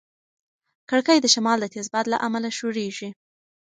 کړکۍ د شمال د تېز باد له امله ښورېږي.